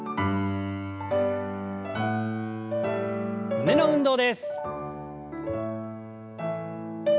胸の運動です。